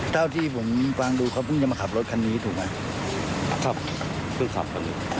เท่าที่ผมฟังดูเขาเพิ่งจะมาขับรถคันนี้ถูกไหมครับเพิ่งขับครับ